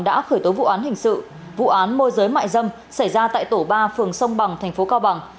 đã khởi tố vụ án hình sự vụ án môi giới mại dâm xảy ra tại tổ ba phường sông bằng thành phố cao bằng